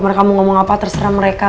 mereka mau ngomong apa terserah mereka